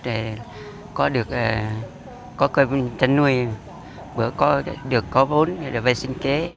để có được cây chăn nuôi có vốn để vệ sinh kế